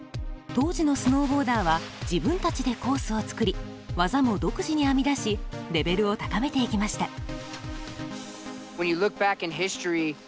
当時のスノーボーダーは自分たちでコースを作り技も独自に編み出しレベルを高めていきました。